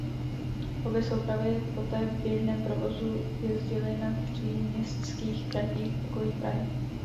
Obě soupravy poté v běžném provozu jezdily na příměstských tratích v okolí Prahy.